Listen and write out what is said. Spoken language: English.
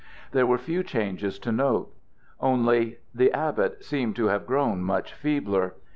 There were few changes to note. Only the abbot seemed to have grown much feebler.